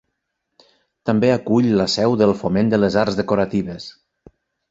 També acull la seu del Foment de les Arts Decoratives.